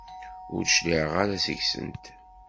Ur d-cliɛeɣ ara seg-sent.